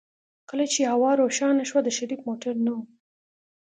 کله چې هوا روښانه شوه د شريف موټر نه و.